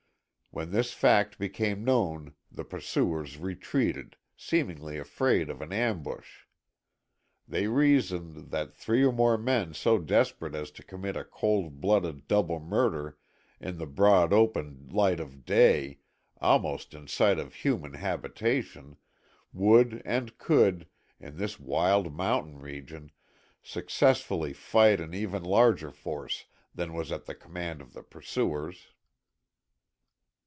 When this fact became known the pursuers retreated, seemingly afraid of an ambush. They reasoned that three or more men so desperate as to commit a cold blooded double murder in the broad open light of day, almost in sight of human habitation, would and could, in this wild mountain region, successfully fight an even larger force than was at the command of the pursuers.